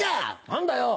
何だよ！